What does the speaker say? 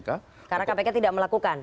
karena kpk tidak melakukan